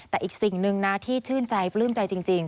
แต่อีกสิ่งหนึ่งนะที่ชื่นใจปลื้มใจจริง